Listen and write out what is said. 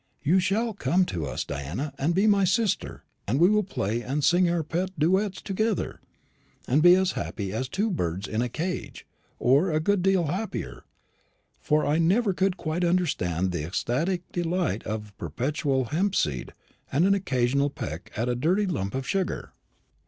You shall come to us, Diana, and be my sister; and we will play and sing our pet duets together, and be as happy as two birds in a cage, or a good deal happier for I never could quite understand the ecstatic delight of perpetual hempseed and an occasional peck at a dirty lump of sugar."